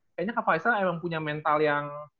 kayaknya kak faisal emang punya mental yang